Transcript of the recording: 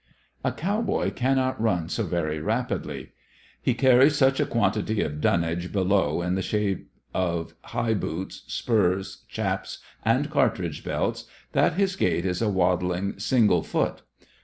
A cowboy cannot run so very rapidly. He carries such a quantity of dunnage below in the shape of high boots, spurs, chaps, and cartridge belts that his gait is a waddling single foot.